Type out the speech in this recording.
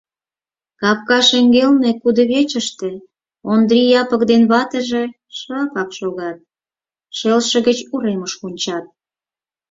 Капка шеҥгелне, кудывечыште, Ондри Япык ден ватыже шыпак шогат, шелше гыч уремыш ончат.